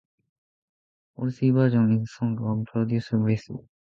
All three versions of the song were produced by Whitfield.